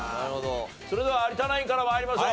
それでは有田ナインから参りましょう。